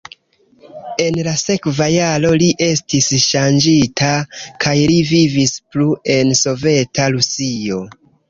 En la sekva jaro li estis ŝanĝita kaj li vivis plu en Soveta Rusio.